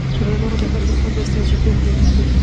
رڼا د حقیقت استازیتوب کوي.